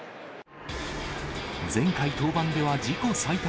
前回登板では自己最多